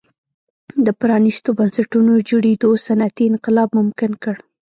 د پرانیستو بنسټونو جوړېدو صنعتي انقلاب ممکن کړ.